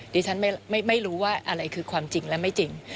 ดิฉันไม่รู้ว่าอะไรคือความจริงและไม่จริง